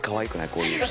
こういう。